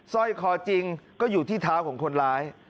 สร้อยคอจริงก็อยู่ที่เท้าของคนร้าย